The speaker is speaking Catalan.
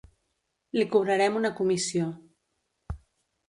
Li cobrarem una comissió.